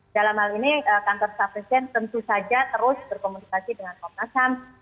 dalam hal ini kantor staf presiden tentu saja terus berkomunikasi dengan komnas ham